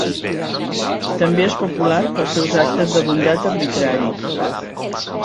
També és popular pels seus actes de bondat arbitraris.